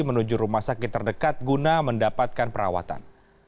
menuju rumah sakit terdekat guna mendapatkan perawatan